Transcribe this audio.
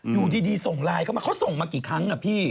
อยู่ดีส่งไลน์เข้ามาเขาส่งมากี่ครั้งอ่ะพี่